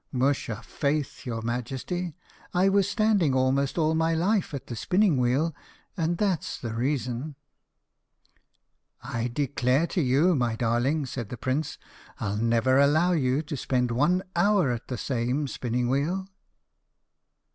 "Musha, faith, your majesty, I was standing almost all my life at the spinning wheel, and that's the reason." "I declare to you, my darling," said the prince, "I'll never allow you to spend one hour at the same spinning wheel."